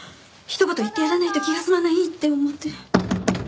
ひと言言ってやらないと気が済まないって思って。